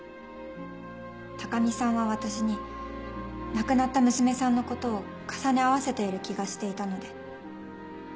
高見さんは私に亡くなった娘さんのことを重ね合わせている気がしていたので。